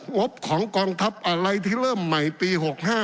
บของกองทัพอะไรที่เริ่มใหม่ปี๖๕